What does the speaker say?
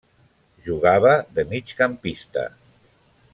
Jugava de migcampista.